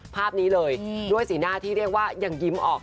ภาพนี้เลยด้วยสีหน้าที่เรียกว่ายังยิ้มออก